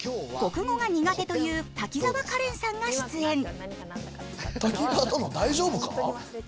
国語が苦手という滝沢カレンさんが出演。